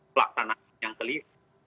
pelaksanaan yang kelip